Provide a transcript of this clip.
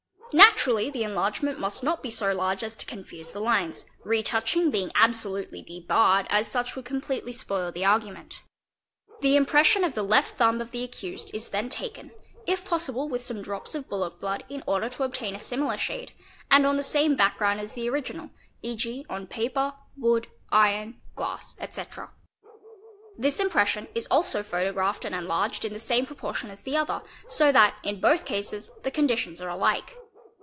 Naturally the enlargement must not be so large as to confuse the lines, retouching being absolutely debarred, as such would completely spoil the argument. The impression of the left thumb of the accused is then taken, if possible with some drops of bullock blood in order to obtain a similar shade, and on the same background as the original, ¢.g.,:0n paper, wood, iron, glass, etc. This impression is also photographed and enlarged in the same proportion as the other, so that in both cases the conditions are alike.